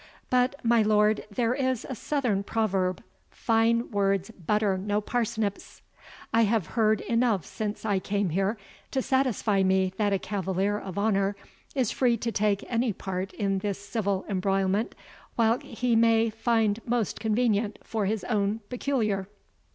But, my lord, there is a southern proverb, fine words butter no parsnips. I have heard enough since I came here, to satisfy me that a cavalier of honour is free to take any part in this civil embroilment whilk he may find most convenient for his own peculiar.